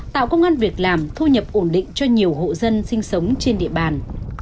tạo công an việc làm thu nhập ổn định cho nhiều hộ dân sinh sống trên địa bàn